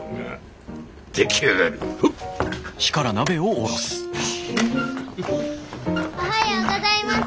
おはようございます。